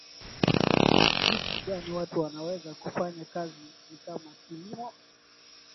jinsi gani watu wanaweza kufanya kazi na kama kilimo